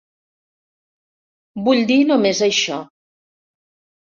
Vull dir només això.